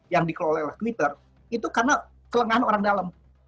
yang dikelola oleh twitter itu karena kelengahan orang dalam